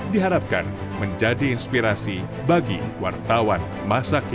diharapkan menjadi inspirasi bagi wartawan masa kini